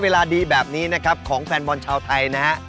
เวลาดีแบบนี้นะครับของแฟนบอลชาวไทยนะฮะ